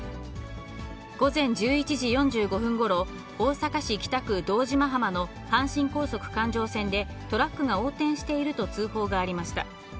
午前１１時４５分ごろ、大阪市北区堂島浜の阪神高速環状線で、トラックが横転していると通報がありました。